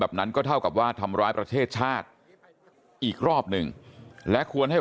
นั้นก็เท่ากับว่าทำร้ายประเทศชาติอีกรอบหนึ่งและควรให้